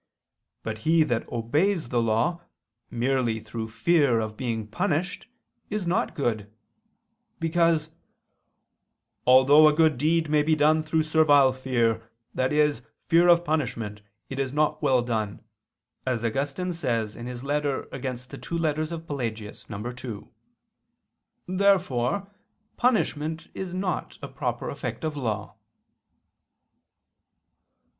But he that obeys the law, merely through fear of being punished, is not good: because "although a good deed may be done through servile fear, i.e. fear of punishment, it is not done well," as Augustine says (Contra duas Epist. Pelag. ii). Therefore punishment is not a proper effect of law.